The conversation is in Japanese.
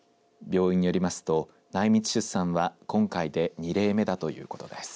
病院によりますと内密出産は今回で２例目だということです。